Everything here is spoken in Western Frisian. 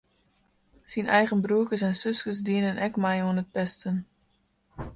Syn eigen broerkes en suskes dienen ek mei oan it pesten.